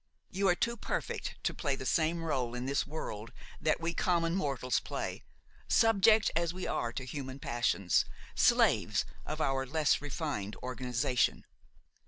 You are too perfect to play the same rôle in this world that we common mortals play, subject as we are to human passions, slaves of our less refined organization.